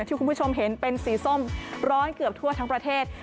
ที่คุณผู้ชมเห็นเป็นสีส้มร้อนเกือบทั่วทั้งประเทศ